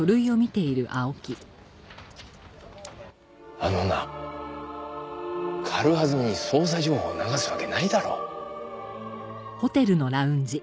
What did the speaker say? あのな軽はずみに捜査情報流すわけないだろ。